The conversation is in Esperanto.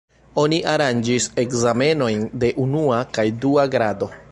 Oni aranĝis ekzamenojn de unua kaj dua grado.